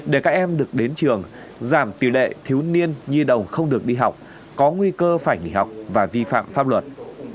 để các em được đến trường giảm tỷ lệ thiếu niên nhi đồng không được đi học có nguy cơ phải nghỉ học và vi phạm pháp luật